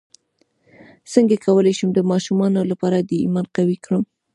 څنګه کولی شم د ماشومانو لپاره د ایمان قوي کړم